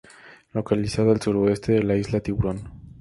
Localizada al suroeste de la Isla Tiburón.